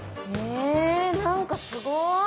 え何かすごい。